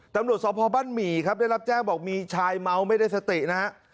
ตำรวจสพบ้านหมี่ครับได้รับแจ้งบอกมีชายเมาไม่ได้สตินะฮะ